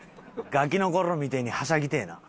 ガキの頃みてえにはしゃぎてえな。